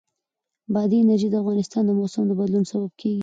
بادي انرژي د افغانستان د موسم د بدلون سبب کېږي.